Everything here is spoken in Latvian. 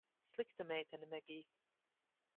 Slikta meitene, Megij.